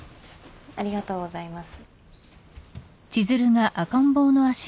ありがとうございます。